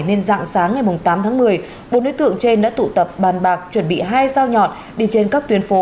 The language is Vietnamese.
nên dạng sáng ngày tám tháng một mươi bốn đối tượng trên đã tụ tập bàn bạc chuẩn bị hai sao nhọn đi trên các tuyến phố